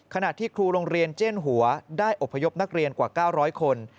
ขณะที่ครูโรงเรียนเจียนหัวได้อบพยพนักเรียนกว่า๙๐๐คน